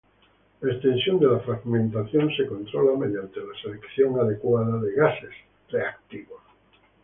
La extensión de la fragmentación se controla mediante la selección adecuada de gases reactivos.